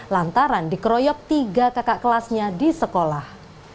lantaran dikeroyok tiga kakak kelasnya di sekolah